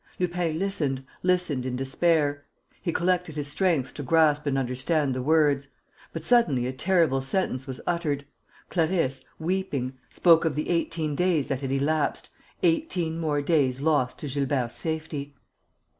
Lupin listened, listened in despair. He collected his strength to grasp and understand the words. But suddenly a terrible sentence was uttered: Clarisse, weeping, spoke of the eighteen days that had elapsed, eighteen more days lost to Gilbert's safety.